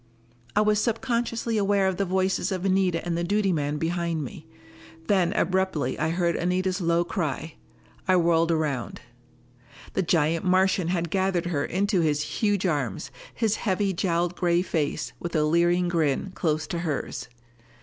I was subconsciously aware of the voices of Anita and the duty man behind me. Then abruptly I heard Anita's low cry. I whirled around. The giant Martian had gathered her into his huge arms, his heavy jowled gray face, with a leering grin, close to hers!